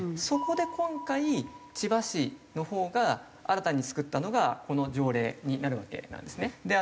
そこで今回千葉市のほうが新たに作ったのがこの条例になるわけなんですね。